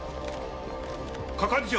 係長。